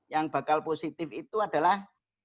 yang bakal positif itu adalah lima ratus sembilan puluh delapan